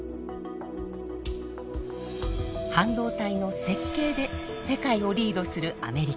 半導体の設計で世界をリードするアメリカ。